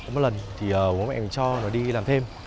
một lần thì bố mẹ cho nó đi làm thêm